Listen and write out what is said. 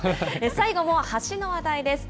最後も橋の話題です。